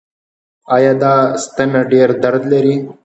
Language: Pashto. ایا دا ستنه ډیر درد لري؟